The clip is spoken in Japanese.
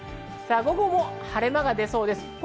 午後も晴れ間が出そうです。